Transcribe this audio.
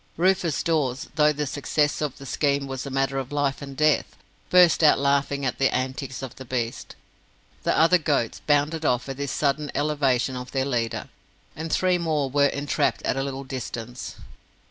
Rufus Dawes, though the success of the scheme was a matter of life and death, burst out laughing at the antics of the beast. The other goats bounded off at this sudden elevation of their leader, and three more were entrapped at a little distance.